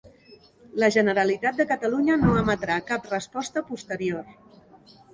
La Generalitat de Catalunya no emetrà cap resposta posterior.